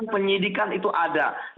penyidikan itu ada